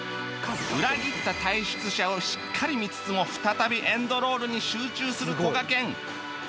裏切った退出者をしっかり見つつも再びエンドロールに集中するこがけん